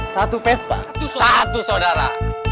satu pespa satu sodara